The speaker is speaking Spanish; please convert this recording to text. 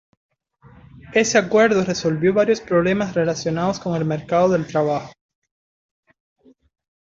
Ese acuerdo resolvió varios problemas relacionados con el mercado del trabajo.